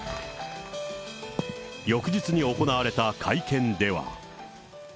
翌日に行われた会見では。